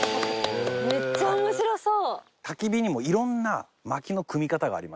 めっちゃ面白そう。